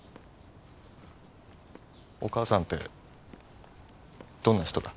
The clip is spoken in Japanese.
お母さんってどんな人だ？